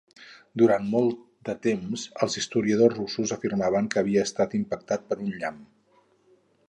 Durant molt de temps els historiadors russos afirmaven que havia estat impactat per un llamp.